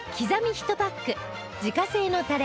１パック自家製のタレ